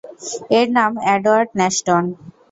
এর নাম Edward Nashton.